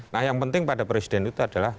nah yang penting pada presiden itu adalah